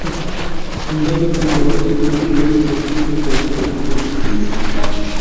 انلاین بانکوالي د روغتیايي لګښتونو په تادیه کې مرسته کوي.